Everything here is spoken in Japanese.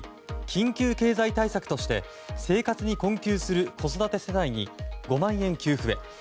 緊急経済対策として生活に困窮する子育て世帯に５万円給付へ。